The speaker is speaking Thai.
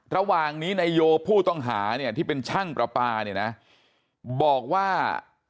ระหว่างนี้นายโยผู้ต้องหาเนี่ยที่เป็นช่างประปาเนี่ยนะบอกว่า